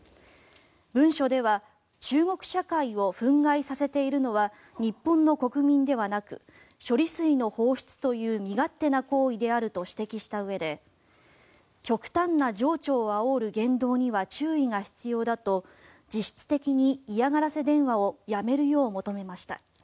文書では中国社会を憤慨させているのは日本の国民ではなく処理水の放出という身勝手な行為であると指摘したうえで極端な情緒をあおる言動には注意が必要だと実質的に嫌がらせ電話をやめるよう求めました。